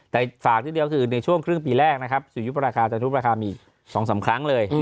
แต่ฝากนิดเดียวคือในช่วงครึ่งปีแรกนะครับสุริยุปราคาจันทุปราคามีอีก๒๓ครั้งเลย